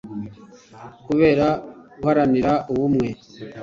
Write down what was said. kubera guharanira ubumwe